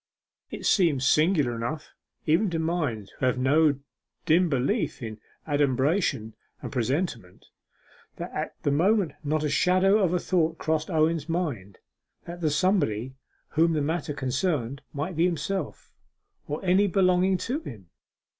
It seems singular enough, even to minds who have no dim beliefs in adumbration and presentiment, that at that moment not the shadow of a thought crossed Owen's mind that the somebody whom the matter concerned might be himself, or any belonging to him.